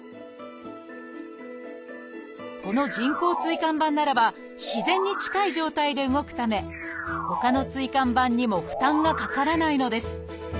この人工椎間板ならば自然に近い状態で動くためほかの椎間板にも負担がかからないのです